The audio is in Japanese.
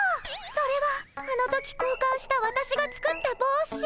それはあの時こうかんしたわたしが作ったぼうし。